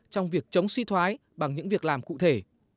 trong việc chống suy thoái bằng những việc làm cụ thể